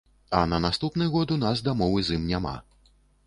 А на наступны год у нас дамовы з ім няма.